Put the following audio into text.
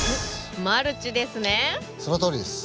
マルチですね？